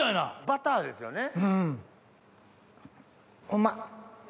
バターですよね。